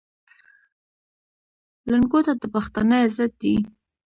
لنګوټه د پښتانه عزت دی.